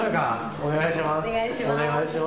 お願いします。